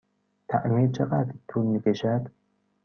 تعمیر چقدر طول می کشد؟